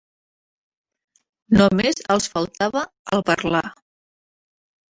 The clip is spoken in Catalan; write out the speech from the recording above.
No més els faltava el parlar